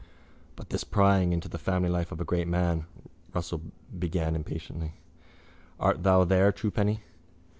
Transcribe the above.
—But this prying into the family life of a great man, Russell began impatiently. Art thou there, truepenny?